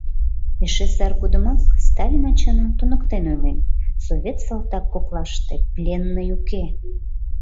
Эше сар годымак Сталин ачана туныктен ойлен: «Совет салтак коклаште пленный уке!